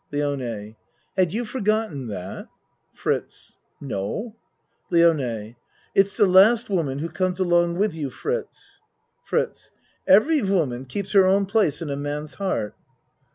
LIONE Had you forgotten that? FRITZ No. LIONE It's the last woman who comes along with you, Fritz. FRITZ Every woman keeps her own place in a man's heart.